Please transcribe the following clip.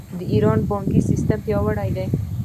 د ایران بانکي سیستم پیاوړی دی.